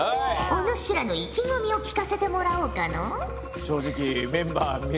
おぬしらの意気込みを聞かせてもらおうかのう？